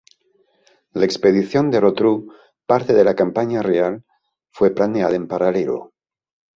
La expedición de Rotrou, parte de la campaña real, fue planeada en paralelo.